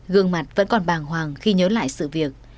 gương mặt vẫn còn bàng hoàng khi nhớ lại sự việc